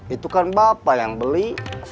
itu kan bapak yang beli